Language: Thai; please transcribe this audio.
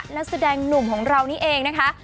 นักแสดงหนุ่มของเรานี่เองนะคะ